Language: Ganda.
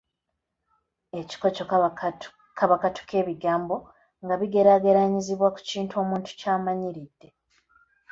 Ekikoco kaba katu k'ebigambo nga bigeraageranyizibwa ku kintu omuntu ky'amanyiridde.